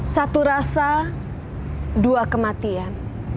satu rasa dua kematian